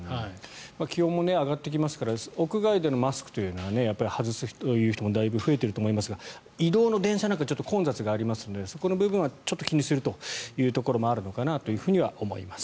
気温も上がってきますから屋外でのマスクというのは外すという人もだいぶ増えていると思いますが移動の電車なんかはちょっと混雑がありますのでそこの部分はちょっと気にするというところもあるのかなと思います。